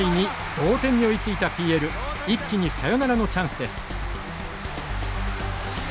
同点に追いついたＰＬ一気にサヨナラのチャンスです。